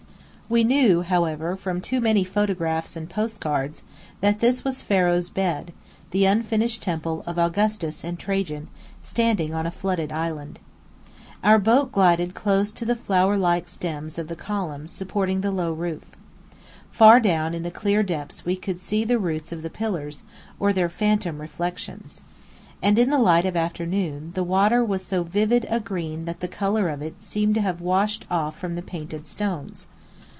We knew, however, from too many photographs and postcards, that this was "Pharaoh's Bed," the unfinished temple of Augustus and Trajan, standing on a flooded island. Our boat glided close to the flower like stems of the columns supporting the low roof. Far down in the clear depths we could see the roots of the pillars, or their phantom reflections. And in the light of afternoon, the water was so vivid a green that the colour of it seemed to have washed off from the painted stones.